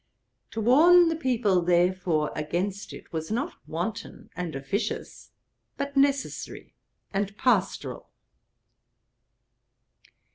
To warn the people, therefore, against it was not wanton and officious, but necessary and pastoral.